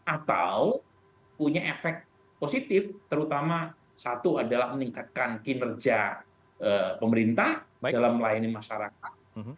atau punya efek positif terutama satu adalah meningkatkan kinerja pemerintah dalam melayani masyarakat